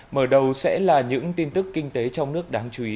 mở đầu sẽ là những tin tức kinh tế trong nước đáng chú ý